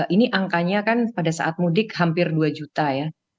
ini angkanya kan pada saat mudik hampir dua juta ya